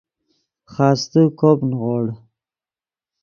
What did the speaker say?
خاستے کوپ نیغوڑ